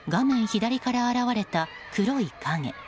左から現れた黒い影。